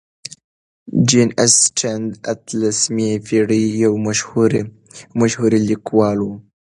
جین اسټن د اتلسمې پېړۍ یو مشهورې لیکواله وه.